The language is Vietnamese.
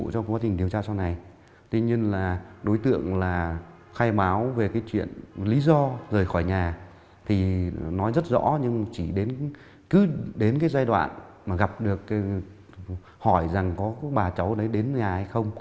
cơ quan điều tra lập tức di lý đối tượng với lâm hà để lấy lời khai